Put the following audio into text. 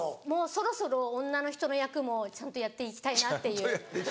そろそろ女の人の役もちゃんとやっていきたいなっていう。